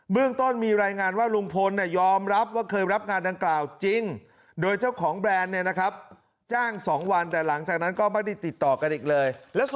เมืองต้นมีรายงานว่าลุงพนตร์เนี่ย